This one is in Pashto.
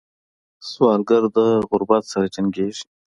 سوالګر د غربت سره جنګېږي